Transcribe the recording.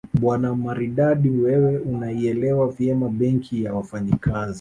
Bwana Maridadi wewe unaielewa vyema Benki ya Wafanyakazi